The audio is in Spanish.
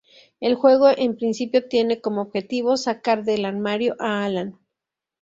El juego en principio tiene como objetivo sacar del armario a Alan.